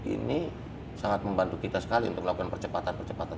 ini sangat membantu kita sekali untuk lakukan percepatan percepatan